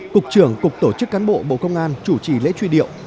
cục trưởng cục tổ chức cán bộ bộ công an chủ trì lễ truy điệu